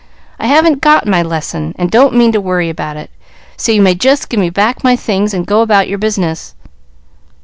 I haven't got my lesson, and don't mean to worry about it; so you may just give me back my things and go about your business."